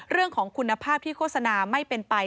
เรื่องของคุณภาพที่โฆษณาไม่เป็นไป